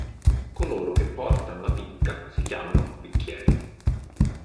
Coloro che portano la picca si chiamano "picchieri".